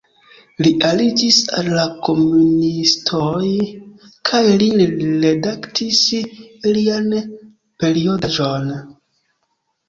Li aliĝis al la komunistoj kaj li redaktis ilian periodaĵon.